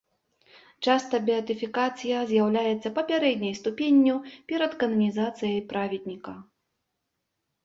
Часта беатыфікацыя з'яўляецца папярэдняй ступенню перад кананізацыяй праведніка.